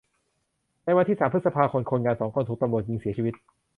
ในวันที่สามพฤษภาคม คนงานสองคนถูกตำรวจยิงเสียชีวิต